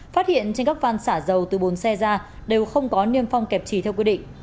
phát hiện trên các phan xả dầu từ bốn xe ra đều không có niêm phong kẹp trì theo quy định